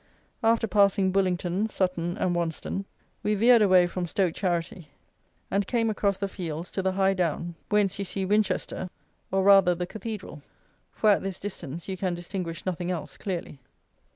After passing Bullington, Sutton, and Wonston, we veered away from Stoke Charity, and came across the fields to the high down, whence you see Winchester, or rather the Cathedral; for at this distance you can distinguish nothing else clearly.